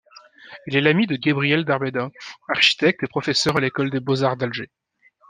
Il est l'ami de Gabriel Darbeda, architecte et professeur à l'École des beaux-arts d'Alger.